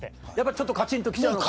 ちょっとカチンと来ちゃうのか？